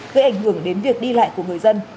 gây ảnh hưởng đến việc đi lại của người dân